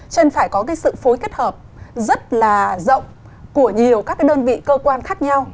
nên phải có cái sự phối kết hợp rất là rộng của nhiều các cái đơn vị cơ quan khác nhau